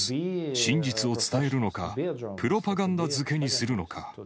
真実を伝えるのか、プロパガンダ漬けにするのか。